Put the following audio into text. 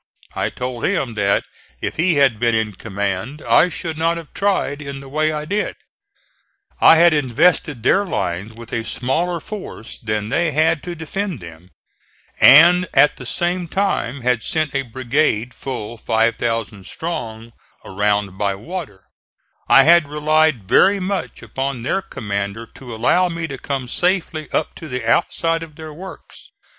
I told him that if he had been in command I should not have tried in the way I did: I had invested their lines with a smaller force than they had to defend them, and at the same time had sent a brigade full 5,000 strong, around by water; I had relied very much upon their commander to allow me to come safely up to the outside of their works.